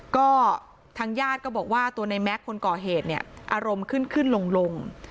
ก็ทางญาติก็บอกว่าตัวในแม็กซ์คนก่อเหตุเนี่ยอารมณ์ขึ้นขึ้นลง